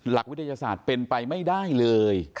หลักวิทยาศาสตร์เป็นไปไม่ได้เลย